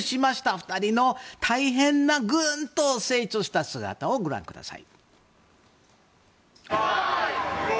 ２人の大変なぐんと成長した姿をご覧ください。